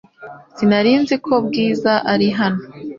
Sinari nzi ko Bwiza ari hano .